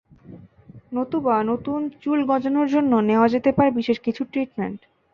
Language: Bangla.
নতুবা নতুন চুল গজানোর জন্য নেওয়া যেতে পারে বিশেষ কিছু ট্রিটমেন্ট।